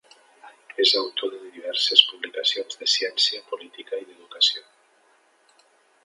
És autor de diverses publicacions de Ciència Política i d'Educació.